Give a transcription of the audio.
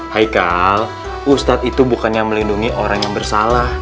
haikal ustadz itu bukannya melindungi orang yang bersalah